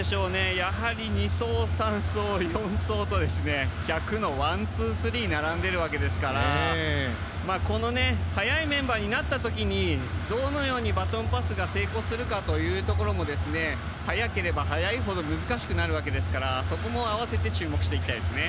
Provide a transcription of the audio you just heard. やはり２走、３走、４走と１００のワン、ツー、スリーが並んでいるわけですから速いメンバーになった時どのようにバトンパスが成功するかというところも速ければ速いほど難しくなるわけですからそこも合わせて注目していきたいです。